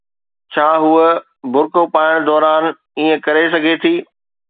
ڇا هوءَ برقع پائڻ دوران ائين ڪري سگهي ٿي؟